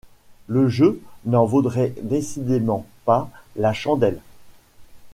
Le jeu n’en vaudrait décidément pas la chandelle.